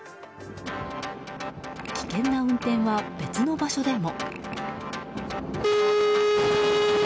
危険な運転は別の場所でも。